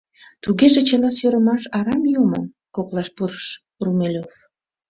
— Тугеже чыла сӧрымаш арам йомын? — коклаш пурыш Румелёв.